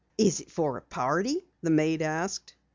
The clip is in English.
"Is it for a party?" the maid asked.